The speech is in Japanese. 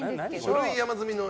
書類山積みの。